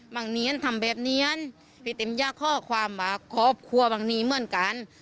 งเนียนทำแบบนี้พี่เต็มยักษ์ข้อความว่าครอบครัวบางนี้เหมือนกัน